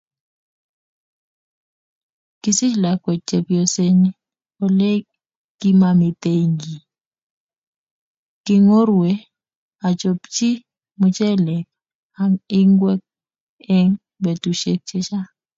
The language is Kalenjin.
Kisiich lakwet chepyosenyu olegimagitinye giy. Kingorue, achopchi muchelek ago ingwek eng betushiek chechang